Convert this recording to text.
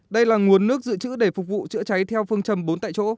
đây là nguồn nước dự trữ để phục vụ chữa cháy theo phương trầm bốn tại chỗ